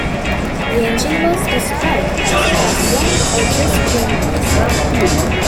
The engine was described as a "buzzbomb" or "just plain noisy".